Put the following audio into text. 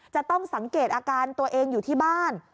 จะต้องสังเกตอาการตัวเองอยู่ที่บ้าน